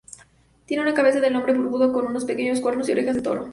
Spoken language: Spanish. Tiene una cabeza de hombre barbudo con unos pequeños cuernos y orejas de toro.